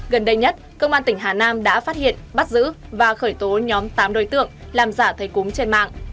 gần đây nhất công an tỉnh hà nam đã phát hiện bắt giữ và khởi tố nhóm tám đối tượng làm giả thầy cúng trên mạng